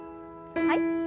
はい。